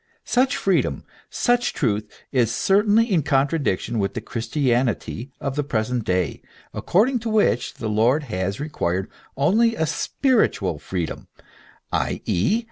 * Such freedom, such truth, is certainly in contradiction with the Christianity of the present day, according to which the Lord has required only a spiritual freedom, i. e.